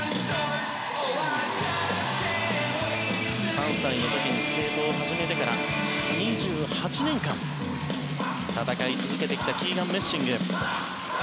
３歳の時にスケートを始めてから２８年間戦い続けてきたキーガン・メッシング。